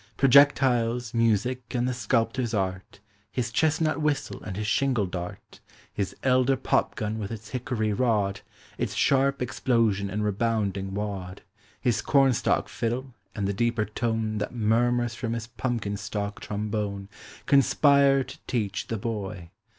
Projectiles, music, and the sculptor's art. His chestnut whistle and his shingle dart, His elder popgun with its hickory rod, Its sharp explosion and rebounding wad, His cornstalk fiddle, and the deeper tone That murmurs from his pumpkin stalk trombone, Conspire to teach the boy.